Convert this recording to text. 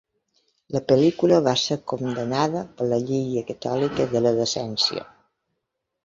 La pel·lícula va ser condemnada per la Lliga Catòlica de la Decència.